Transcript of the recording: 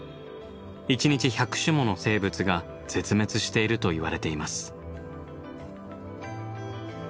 一日１００種もの生物が絶滅しているといわれています。